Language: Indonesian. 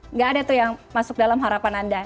nggak ada tuh yang masuk dalam harapan anda